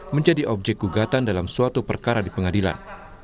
menjadi objek gugatan dalam suatu perkara di pengadilan